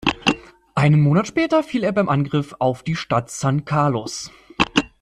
Einen Monat später fiel er beim Angriff auf die Stadt San Carlos.